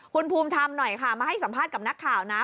คุณภูมิธรรมหน่อยค่ะมาให้สัมภาษณ์กับนักข่าวนะ